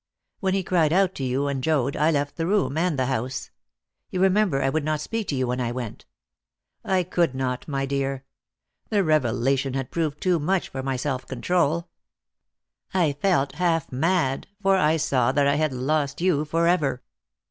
When he cried out to you and Joad, I left the room, and the house. You remember, I would not speak to you when I went. I could not, my dear; the revelation had proved too much for my self control. I felt half mad, for I saw that I had lost you for ever."